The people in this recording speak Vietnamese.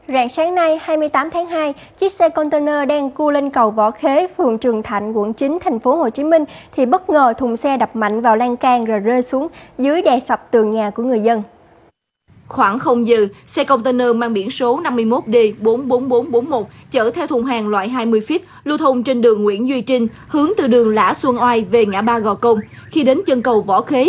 rạng sáng nay hai mươi tám tháng hai chiếc xe container đang cua lên cầu võ khế